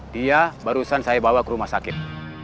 dia barusan saya bawa ke rumah sakit